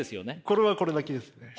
これはこれだけですね。